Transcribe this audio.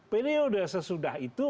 periode sesudah itu